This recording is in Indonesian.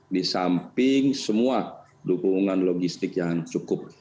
di samping semua dukungan logistik yang cukup